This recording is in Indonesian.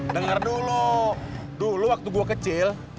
dengar dulu dulu waktu gue kecil